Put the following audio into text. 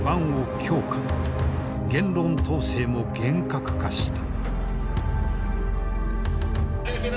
言論統制も厳格化した。